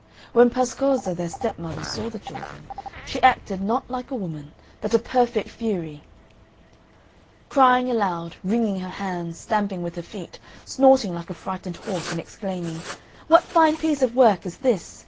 When Pascozza, their stepmother, saw the children, she acted not like a woman, but a perfect fury; crying aloud, wringing her hands, stamping with her feet, snorting like a frightened horse, and exclaiming, "What fine piece of work is this?